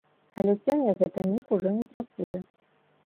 Але сёння гэта міф ужо не працуе.